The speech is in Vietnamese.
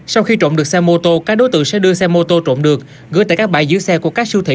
sau khi trộm được xe mô tô các đối tượng sẽ đưa xe mô tô trộm được gửi tại các bãi giữ xe của các siêu thị